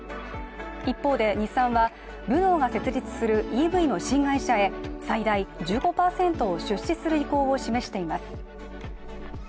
一方で、日産はルノーが設立するＥＶの新会社へ最大１５％を出資する意向を示しています。